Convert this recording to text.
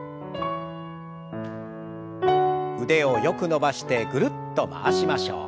腕をよく伸ばしてぐるっと回しましょう。